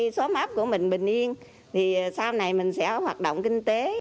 có mắt của mình bình yên thì sau này mình sẽ hoạt động kinh tế